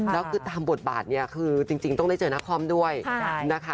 แล้วคือตามบทบาทเนี่ยคือจริงต้องได้เจอนครด้วยนะคะ